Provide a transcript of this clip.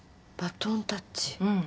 うん。